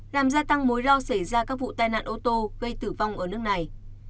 làm gia tăng mối lo xảy ra các vụ tai nạn ô tô gây tử vong ở nước này